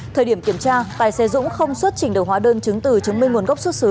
thời điểm kiểm tra tài xế dũng không xuất trình được hóa đơn chứng từ chứng minh nguồn gốc xuất xứ